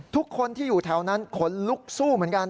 ทุกคนที่อยู่แถวนั้นขนลุกสู้เหมือนกัน